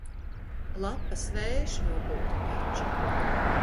Lapas vējš nopūta taču.